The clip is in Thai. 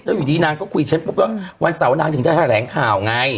อยู่ดีนางก็คุยฉันปุ๊บว่าวันเสาร์นางถึงจะแถลงข่าวไง